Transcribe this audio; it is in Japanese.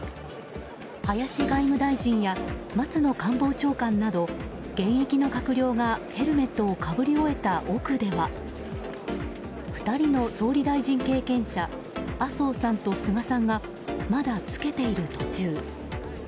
林外務大臣や松野官房長官など現役の閣僚がヘルメットをかぶり終えた奥では２人の総理大臣経験者麻生さんと菅さんがまだ、つけている途中。